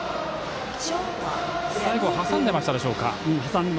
最後は挟んでましたでしょうか。